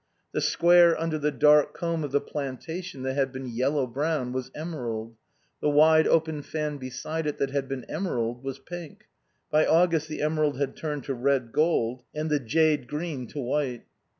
The square under the dark comb of the plantation that had been yellow brown was emerald; the wide open fan beside it that had been emerald was pink. By August the emerald had turned to red gold and the jade green to white.